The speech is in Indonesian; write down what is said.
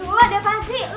aduh ada apaan sih